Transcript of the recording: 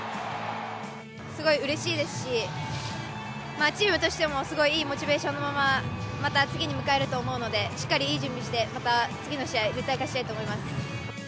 すごいうれしいですし、チームとしてもすごいいいモチベーションのまままた次に向かえると思うので、しっかりいい準備して、また次の試合、絶対勝ちたい